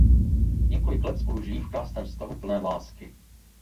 Několik let spolu žijí v krásném vztahu plném lásky.